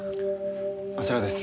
あちらです。